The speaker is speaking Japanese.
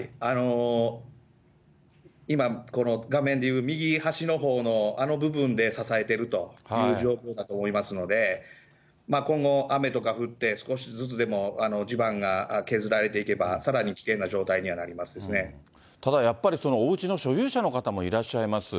今この画面でいう右端のほうのあの部分で支えてるという状況だと思いますので、今後、雨とか降って、少しずつでも地盤が削られていけば、ただやっぱり、おうちの所有者の方もいらっしゃいます。